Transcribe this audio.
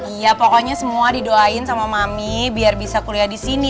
iya pokoknya semua didoain sama mami biar bisa kuliah di sini